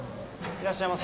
いらっしゃいませ。